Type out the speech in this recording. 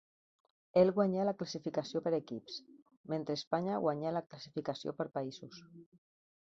El guanyà la classificació per equips, mentre Espanya guanyà la classificació per països.